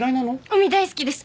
海大好きです！